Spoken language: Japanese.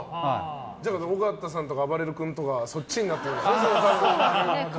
尾形さんとかあばれる君とかそっちになってきますね。